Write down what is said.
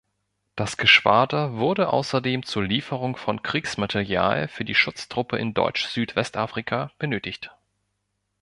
Das Geschwader wurde außerdem zur Lieferung von Kriegsmaterial für die Schutztruppe in Deutsch-Südwestafrika benötigt.